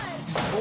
お！